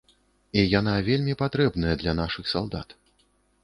І яна вельмі патрэбная для нашых салдат.